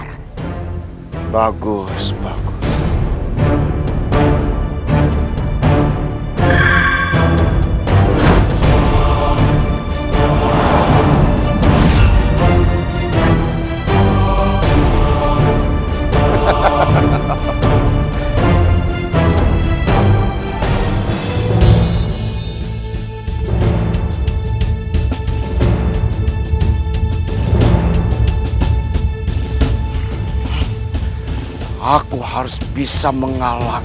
nanti saat itu kami bebaupannya dicatatkan